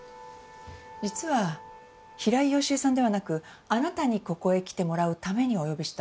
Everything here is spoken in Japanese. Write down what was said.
実は平井佳恵さんではなくあなたにここへ来てもらうためにお呼びしたんです。